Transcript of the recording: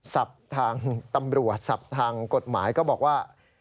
ทางตำรวจศัพท์ทางกฎหมายก็บอกว่า